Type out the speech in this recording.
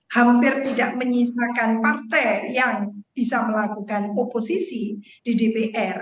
hampir tidak menyisakan partai yang bisa melakukan oposisi di dpr